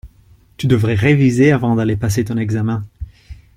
Tu devrais réviser avant d'aller passer ton examen!